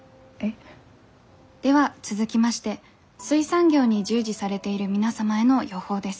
では続きまして水産業に従事されている皆様への予報です。